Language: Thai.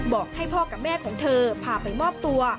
บอกให้พ่อกับแม่ของเธอพาไปมอบตัว